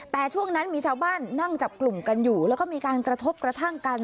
แต่ช่วงนั้นมีชาวบ้านนั่งจับกลุ่มกันอยู่แล้วก็มีการกระทบกระทั่งกัน